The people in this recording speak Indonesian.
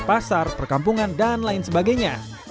pasar perkampungan dan lain sebagainya